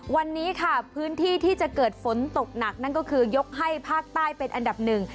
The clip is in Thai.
วันนี้ค่ะพื้นที่ที่จะเกิดฝนตกหนักนั่นก็คือยกให้ภาคใต้เป็นอันดับหนึ่ง